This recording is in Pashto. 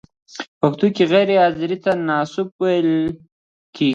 په پښتو کې غیر حاضر ته ناسوب ویل کیږی.